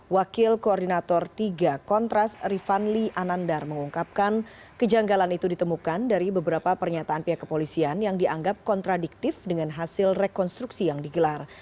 wakil koordinator tiga kontras rifanli anandar mengungkapkan kejanggalan itu ditemukan dari beberapa pernyataan pihak kepolisian yang dianggap kontradiktif dengan hasil rekonstruksi yang digelar